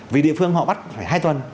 vì địa phương họ bắt phải hai tuần